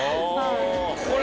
これ。